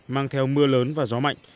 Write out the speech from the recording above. mang theo mưa lớn và gió mạnh